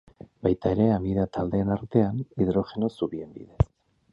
Baita ere amida taldeen artean, hidrogeno zubien bidez.